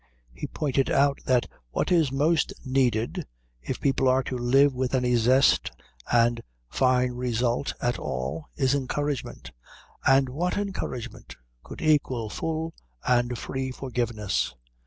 He pointed out that what is most needed, if people are to live with any zest and fine result at all, is encouragement, and what encouragement could equal full and free forgiveness?